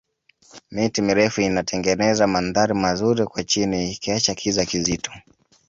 miti mirefu inatengeneza mandhari mazuri kwa chini ikiacha kiza kizito